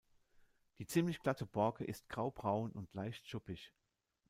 Die ziemlich glatte Borke ist grau-braun und leicht schuppig.